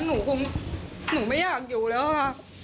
คงหนูไม่อยากอยู่แล้วค่ะ